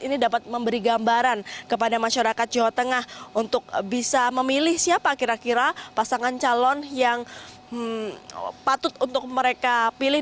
ini dapat memberi gambaran kepada masyarakat jawa tengah untuk bisa memilih siapa kira kira pasangan calon yang patut untuk mereka pilih